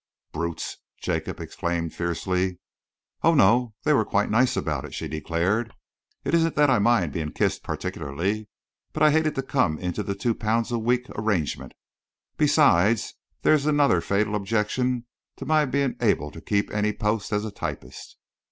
"Brutes!" Jacob exclaimed fiercely. "Oh, no, they were quite nice about it," she declared. "It isn't that I mind being kissed particularly, but I hate it to come into the two pounds a week arrangement. Besides, there is another fatal objection to my being able to keep any post as a typist."